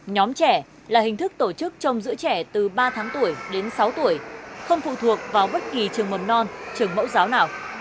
nhóm trẻ là hình thức tổ chức trông giữ trẻ từ ba tháng tuổi đến sáu tuổi không phụ thuộc vào bất kỳ trường mầm non trường mẫu giáo nào